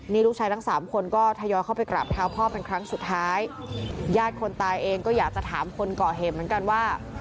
นี่ลูกชายทั้งสามคนก็ทยอยเข้าไปกราบเท้าพ่อเป็นครั้งสุดท้ายญาติคนตายเองก็อยากจะถามคนก่อเหตุเหมือนกันว่า